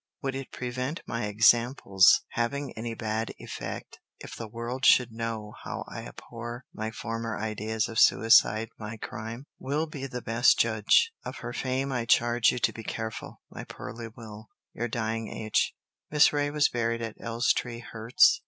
Would it prevent my example's having any bad effect if the world should know how I abhor my former ideas of suicide, my crime? —— will be the best judge. Of her fame I charge you to be careful. My poorly will ... "Your dying H." Miss Reay was buried at Elstree, Herts.